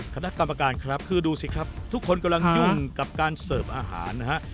คณะกรรมการครับคือดูสิครับทุกคนกำลังยุ่งกับการเสิร์ฟอาหารนะฮะ